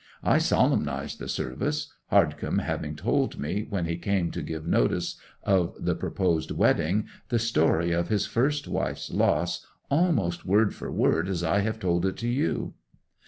I solemnized the service, Hardcome having told me, when he came to give notice of the proposed wedding, the story of his first wife's loss almost word for word as I have told it to you.